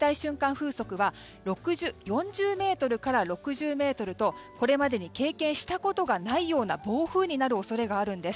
風速は４０メートルから６０メートルとこれまでに経験したことがないような暴風になる恐れがあるんです。